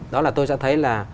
đó là tôi sẽ thấy là